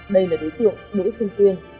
đây là đối tượng đổi xung tuyên